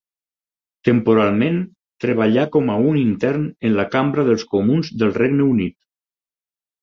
Temporalment treballà com a un intern en la Cambra dels Comuns del Regne Unit.